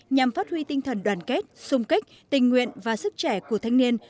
nhằm phát huy tinh thần đoàn kết xung kích tình nguyện và sức trẻ của thanh niên